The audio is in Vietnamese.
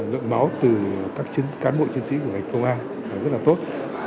lượng máu từ các cán bộ chiến sĩ của ngành công an rất là tốt